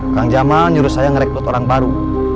kang jamal nyuruh saya ngereplot orang baru